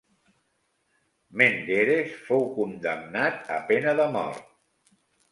Menderes fou condemnat a pena de mort.